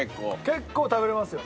結構食べられますよ。